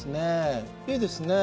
いいですね。